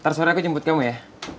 ntar sore aku jemput kamu ya